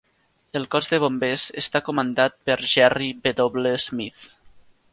El cos de bombers està comandat per Jerry W. Smith.